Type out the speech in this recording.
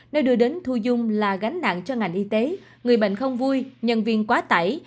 nơi đưa đến thu dung là gánh nặng cho ngành y tế người bệnh không vui nhân viên quá tải